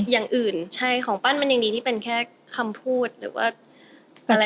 อย่างอื่นใช่ของปั้นมันยังดีที่เป็นแค่คำพูดหรือว่าอะไร